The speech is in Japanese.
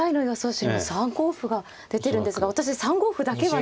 手も３五歩が出てるんですが私３五歩だけはないのかなって。